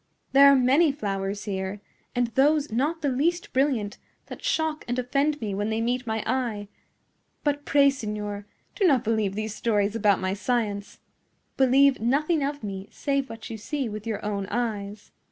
There are many flowers here, and those not the least brilliant, that shock and offend me when they meet my eye. But pray, signor, do not believe these stories about my science. Believe nothing of me save what you see with your own eyes."